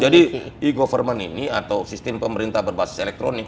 jadi e government ini atau sistem pemerintah berbasis elektronik